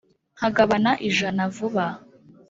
nkagabana ijana vuba.